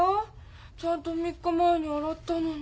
ちゃんと３日前に洗ったのに。